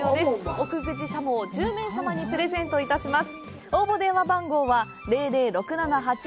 奥久慈しゃもを１０名様にプレゼントいたします。